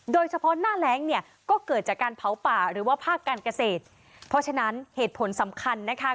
โดยเฉพาะหน้าแรงเนี่ยก็เกิดจากการเผาป่าหรือว่าภาคการเกษตรเพราะฉะนั้นเหตุผลสำคัญนะคะ